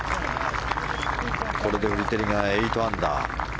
これでフリテリが８アンダー。